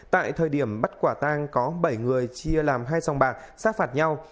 tại thời điểm bắt quả tang có bảy người chia làm hai song bạc sát phạt nhau